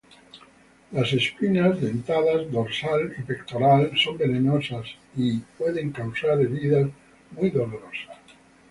Las espinas dentadas dorsal y pectoral son venenosas y pueden causar heridas muy dolorosas.